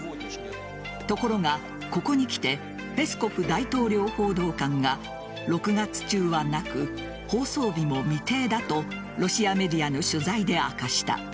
ところが、ここにきてペスコフ大統領報道官が６月中はなく、放送日も未定だとロシアメディアの取材で明かした。